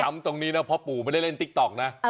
ตรงนี้นะพ่อปู่ไม่ได้เล่นติ๊กต๊อกนะ